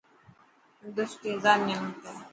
تندرستي هزار نعمت هي.